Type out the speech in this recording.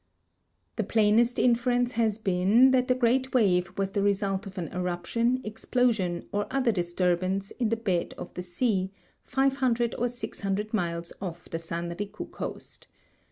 The plainest inference has been that the great wave was the result of an eruption, explosion, or other disturbance in the bed of tbe sea, 500 or 600 miles off the San Riku coast.